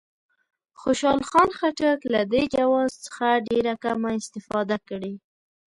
خوشحال خان خټک له دې جواز څخه ډېره کمه استفاده کړې.